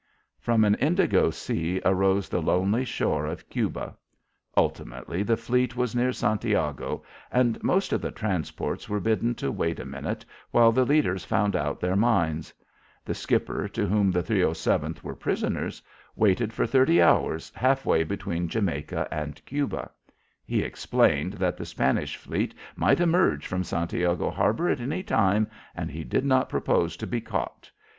From an indigo sea arose the lonely shore of Cuba. Ultimately, the fleet was near Santiago, and most of the transports were bidden to wait a minute while the leaders found out their minds. The skipper, to whom the 307th were prisoners, waited for thirty hours half way between Jamaica and Cuba. He explained that the Spanish fleet might emerge from Santiago Harbour at any time, and he did not propose to be caught.